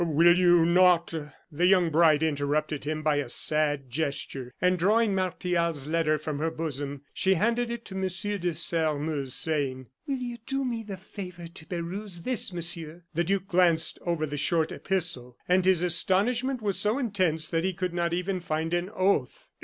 Will you not " The young bride interrupted him by a sad gesture, and drawing Martial's letter from her bosom, she handed it to M. de Sairmeuse, saying. "Will you do me the favor to peruse this, Monsieur?" The duke glanced over the short epistle, and his astonishment was so intense that he could not even find an oath.